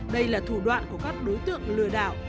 đây là thủ đoạn của các đối tượng lừa đảo